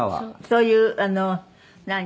「そういう何？」